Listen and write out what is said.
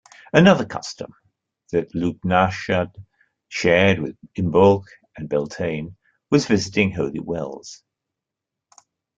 Another custom that Lughnasadh shared with Imbolc and Beltane was visiting holy wells.